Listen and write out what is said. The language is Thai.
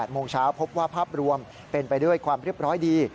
โมงเช้าพบว่าภาพรวมเป็นไปด้วยความเรียบร้อยดี